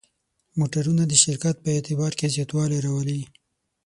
موټرونه د شرکت په اعتبار کې زیاتوالی راولي.